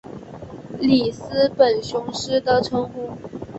里斯本雄狮的称呼。